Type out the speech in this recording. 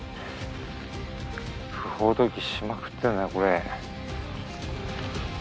不法投棄しまくってるねこれ。